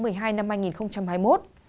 và tháng một mươi hai năm hai nghìn hai mươi một